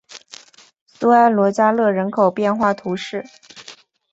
苏埃罗加勒人口变化图示